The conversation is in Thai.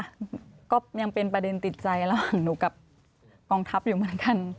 ก็ยังเป็นประเด็นติดใจระหว่างหนูกับกองทัพอยู่เหมือนกัน